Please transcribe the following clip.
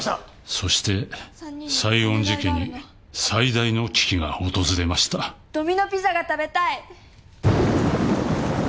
そして西園寺家に最大の危機が訪れましたドミノピザが食べたい！